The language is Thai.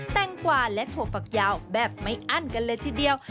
แงกว่าและถั่วฝักยาวแบบไม่อั้นกันเลยทีเดียว